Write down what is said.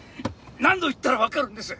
何度言ったらわかるんです！